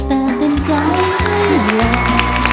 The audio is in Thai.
ทรึงเขาลงแต่เป็นใจให้เยาะ